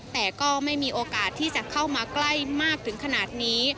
แต่ก็ไม่มีโอกาสที่จะเข้ามาใกล้มากถึงขนาดนี้